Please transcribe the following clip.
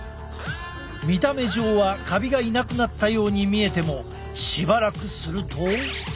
見た目上はカビがいなくなったように見えてもしばらくすると。